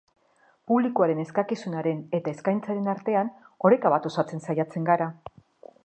Publikoaren eskakizunaren eta eskaintzaren artean oreka bat osatzen saiatzen gara.